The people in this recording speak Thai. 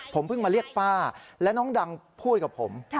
ผมเพิ่งมาเรียกป้าและน้องดังพูดกับผม